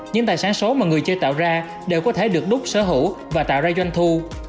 những tài sản số mà người chơi tạo ra đều có thể được đúc sở hữu và tạo ra doanh thu